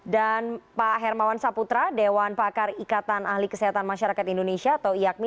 dan pak hermawan saputra dewan pakar ikatan ahli kesehatan masyarakat indonesia atau iakmi